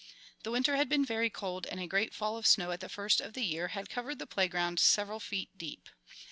The winter had been very cold and a great fall of snow at the first of the year had covered the playground several feet deep.